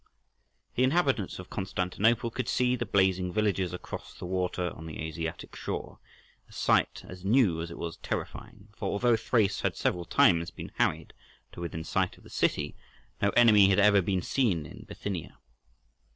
The inhabitants of Constantinople could see the blazing villages across the water on the Asiatic shore—a sight as new as it was terrifying; for although Thrace had several times been harried to within sight of the city, no enemy had ever been seen in Bithynia.